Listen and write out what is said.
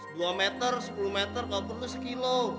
dua meter sepuluh meter kalau perlu sekilo